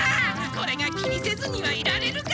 これが気にせずにはいられるか！